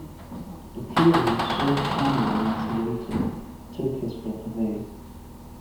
The theory so calmly enunciated took his breath away.